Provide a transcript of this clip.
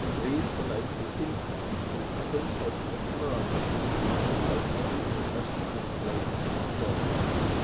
Ries relates an incident illustrating the cameraderie existing between Beethoven and the aristocratic ladies of his circle.